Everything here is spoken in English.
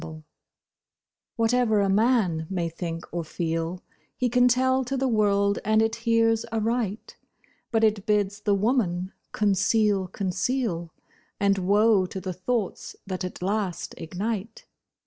BLIND Whatever a man may think or feel He can tell to the world and it hears aright; But it bids the woman conceal, conceal, And woe to the thoughts that at last ignite.